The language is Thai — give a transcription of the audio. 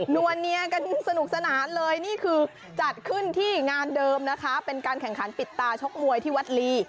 นวลเนียกันสนุกสนานเลยนี่คือจัดขึ้นที่งานเดิมนะคะเป็นการแข่งขันปิดตาชกมวยที่วัดลี